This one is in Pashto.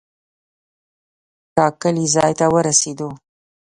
ټاکلي ځای ته ورسېدو.